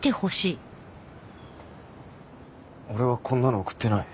俺はこんなの送ってない。